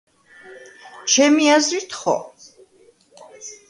ჩემი აზრით ხო